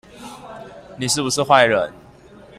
你是不是壞人